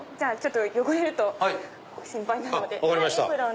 汚れると心配なのでエプロン。